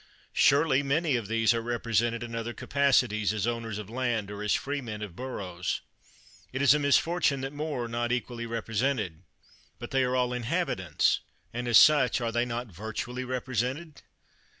Surely many of these are repre sented in other capacities, as owners of land, or as freemen of boroughs. It is a misfortune that more are not equally represented. But they are all inhabitants, and as such, are they not virtually represented?